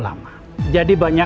ada berikutnya pertanyaan